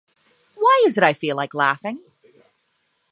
Why is it I feel like laughing?